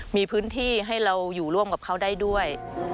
มีพื้นที่ให้เราอยู่ร่วมกับเขาได้ด้วย